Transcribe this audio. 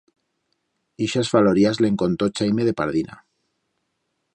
Ixas falorias le'n contó Chaime de Pardina.